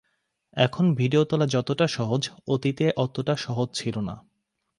এখন ভিডিও তোলা যতটা সহজ অতীতে অতটা সহজ ছিল না।